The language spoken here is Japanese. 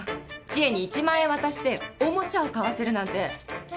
知恵に１万円渡しておもちゃを買わせるなんて。